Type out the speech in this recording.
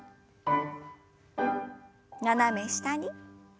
斜め下に。